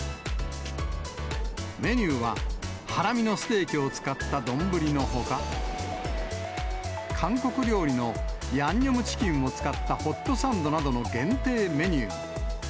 メニューは、ハラミのステーキを使った丼のほか、韓国料理のヤンニョムチキンを使ったホットサンドなどの限定メニ